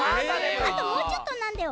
あともうちょっとなんだよ。